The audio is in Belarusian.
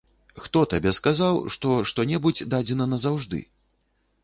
Хто табе сказаў, што што-небудзь дадзена назаўжды?